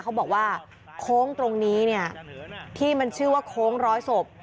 เขาบอกว่าโค้งตรงนี้เนี่ยที่มันชื่อว่าโค้งร้อยศพ